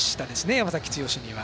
山崎剛には。